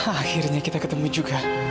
akhirnya kita ketemu juga